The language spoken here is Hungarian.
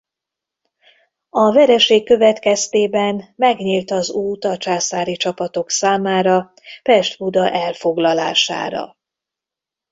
A vereség következtében megnyílt az út a császári csapatok számára Pest-Buda elfoglalására.